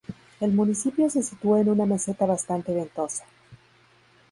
El municipio se sitúa en una meseta bastante ventosa.